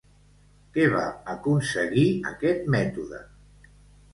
Què va aconseguir aquest mètode?